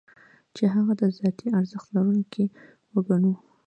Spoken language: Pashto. چې هغه د ذاتي ارزښت لرونکی وګڼو.